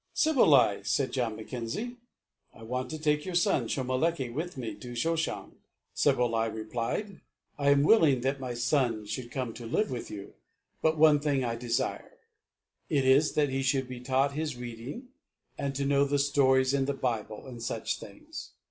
"Sebolai," said John Mackenzie, "I want to take your son, Shomolekae, with me to Shoshong." Sebolai replied: "I am willing that my son should come to live with you, but one thing I desire. It is that he should be taught his reading and to know the stories in the Bible and such things."